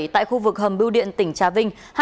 tại khu vực hầm bưu điện tỉnh trà vinh